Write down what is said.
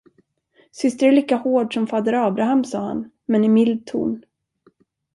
Syster är lika hård som fader Abraham sade han, men i mild ton.